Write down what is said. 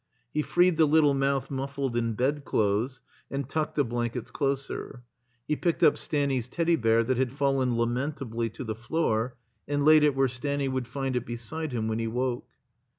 He freed the little mouth mufiSed in bedclothes, and tucked the blankets closer. He picked up Stanny's Teddy bear that had fallen lamentably to the floor, and laid it where Stanny would find it beside him when he woke.